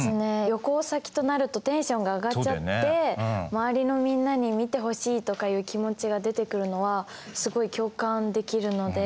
旅行先となるとテンションが上がっちゃって周りのみんなに見てほしいとかいう気持ちが出てくるのはすごい共感できるので。